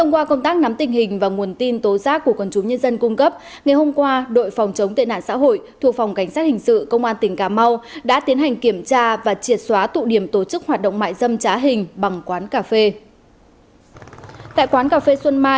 các bạn hãy đăng ký kênh để ủng hộ kênh của chúng mình nhé